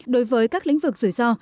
đối với các lĩnh vực rủi ro